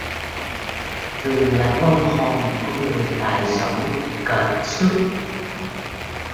thường là vong hồn của người tài giỏi kệt xuất